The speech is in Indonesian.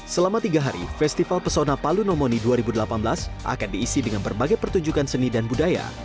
selama tiga hari festival pesona palu nomoni dua ribu delapan belas akan diisi dengan berbagai pertunjukan seni dan budaya